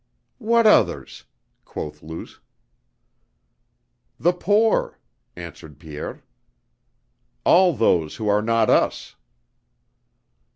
"What others?" quoth Luce. "The poor," answered Pierre. "All those who are not us?"